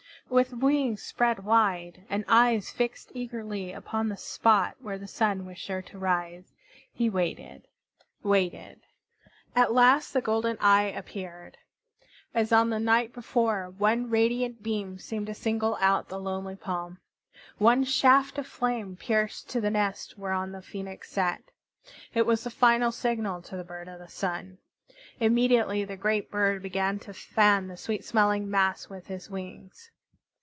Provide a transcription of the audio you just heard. With wings spread wide, and eyes fixed eagerly upon the spot where the Sun was sure to rise, he waited, waited. At last the golden Eye appeared. As on the night before, one radiant beam seemed to single out the lonely palm. One shaft of flame pierced to the nest whereon the Phoenix sat. It was the final signal to the Bird of the Sun. Immediately the great bird began to fan the sweet smelling mass with his wings.